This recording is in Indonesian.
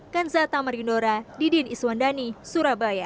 kansata marindora didin iswandani surabaya